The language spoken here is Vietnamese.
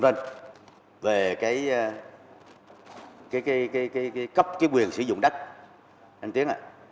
vâng về cái cấp cái quyền sử dụng đất anh tiến ạ